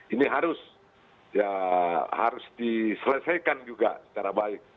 ini harus diselesaikan juga secara baik